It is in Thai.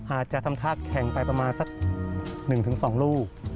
อาจจะทำท่าแข่งไปประมาณสัก๑๒ลูก